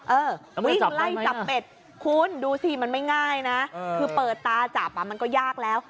เออวิ่งไล่จับเป็ดคุณดูสิมันไม่ง่ายนะคือเปิดตาจับมันก็ยากแล้ว